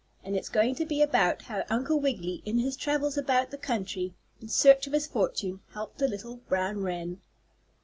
And it's going to be about how Uncle Wiggily, in his travels about the country, in search of his fortune, helped a little brown wren.